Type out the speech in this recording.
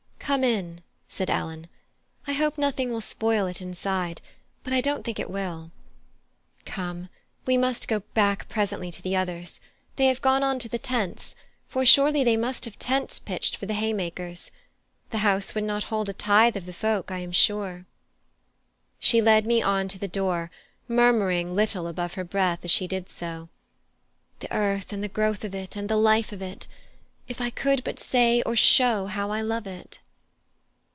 "Come in," said Ellen. "I hope nothing will spoil it inside; but I don't think it will. Come! we must go back presently to the others. They have gone on to the tents; for surely they must have tents pitched for the haymakers the house would not hold a tithe of the folk, I am sure." She led me on to the door, murmuring little above her breath as she did so, "The earth and the growth of it and the life of it! If I could but say or show how I love it!"